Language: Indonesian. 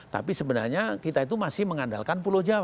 tapi sebenarnya kita itu masih mengandalkan pulau jawa